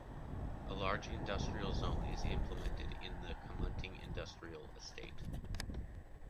A large industrial zone is implemented in the Kamunting Industrial Estate.